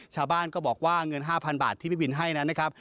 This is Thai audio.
ชาวบ้านก็บอกว่าเงิน๕๐๐บาทที่พี่บินให้นั้นนะครับ